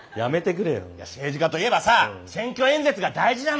政治家といえばさ選挙演説が大事じゃない。